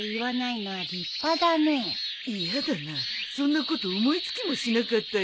いやだなそんなこと思い付きもしなかったよ。